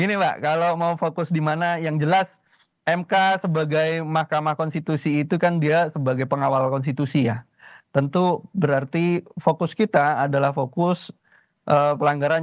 gini mbak kalau mau fokus dimana yang jelas mk sebagai mahkamah konstitusi itu kan dia sebagai pengawal konstitusi ya tentu berarti fokus kita adalah fokus pelanggaran